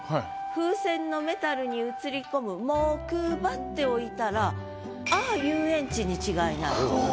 「風船のメタルに映り込む木馬」って置いたらああ遊園地に違いないと。